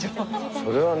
それはね